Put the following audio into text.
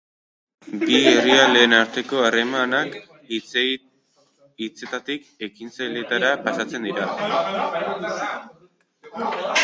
Bi herrialdeen arteko harremanak hitzetatik ekintzetara pasatu dira.